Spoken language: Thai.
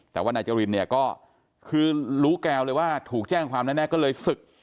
แต่ว่านายจรินเนี่ยก็คือรู้แก้วเลยว่าถูกแจ้งความแน่ก็เลยศึก